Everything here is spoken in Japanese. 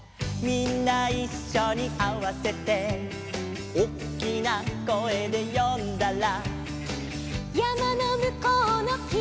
「みんないっしょにあわせて」「おっきな声で呼んだら」